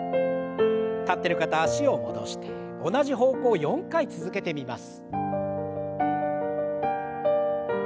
立ってる方脚を戻して同じ方向を４回続けてみます。